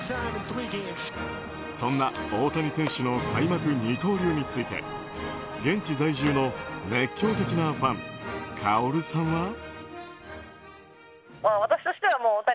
そんな大谷選手の開幕二刀流について現地在住の熱狂的なファンＫＡＯＲＵさんは。